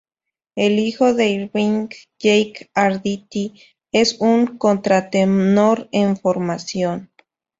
El hijo de Irvine, Jake Arditti, es un contratenor en formación.